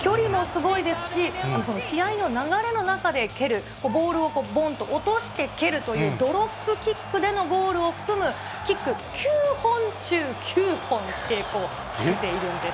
距離もすごいですし、試合の流れの中で蹴る、ボールをぼんと落として蹴るという、ドロップキックでのゴールを含む、キック９本中９本成功させているんです。